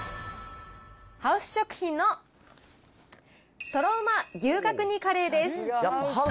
ハウス食品のとろうま牛角煮カレーです。